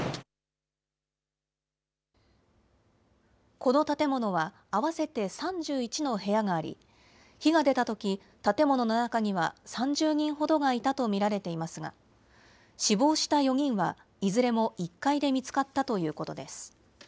この建物は合わせて３１の部屋があり、火が出たとき、建物の中には３０人ほどがいたと見られていますが、死亡した４人はいずれも１階で見つかったということです。